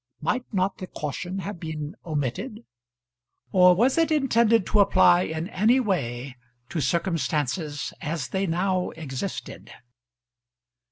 Might not the caution have been omitted? or was it intended to apply in any way to circumstances as they now existed?